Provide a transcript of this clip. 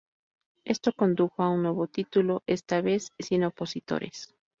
Esto condujo a un nuevo título, esta vez sin opositores.